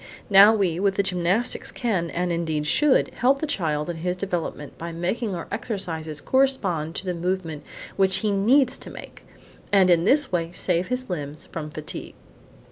Now we, with the gymnastics, can, and, indeed, should, help the child in his development by making our exercises correspond to the movement which he needs to make, and in this way save his limbs from fatigue.